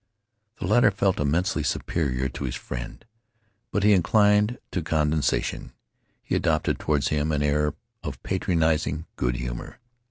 The latter felt immensely superior to his friend, but he inclined to condescension. He adopted toward him an air of patronizing good humor.